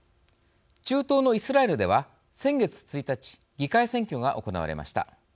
中東のイスラエルでは先月１日、議会選挙が行われました。